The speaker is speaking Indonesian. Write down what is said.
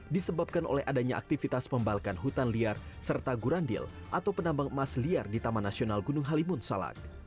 disebabkan oleh adanya aktivitas pembalkan hutan liar serta gurandil atau penambang emas liar di taman nasional gunung halimun salak